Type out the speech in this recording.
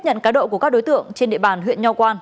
nhận cá độ của các đối tượng trên địa bàn huyện nho quang